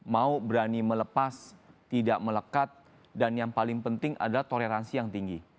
mau berani melepas tidak melekat dan yang paling penting adalah toleransi yang tinggi